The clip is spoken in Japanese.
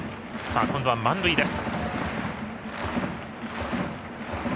今度は満塁です。